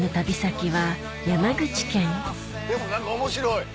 でも何か面白い。